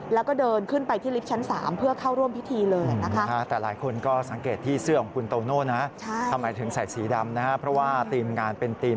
แล้วก็เดินขึ้นไปที่ลิฟท์ชั้น๓เพื่อเข้าร่วมพิธีเลยนะคะ